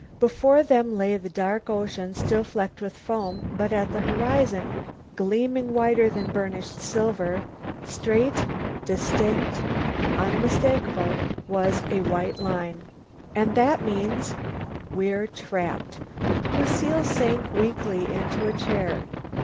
Before them lay the dark ocean still flecked with foam, but at the horizon gleaming whiter than burnished silver, straight, distinct, unmistakable, was a white line. "And that means " "We're trapped!" Lucile sank weakly into a chair.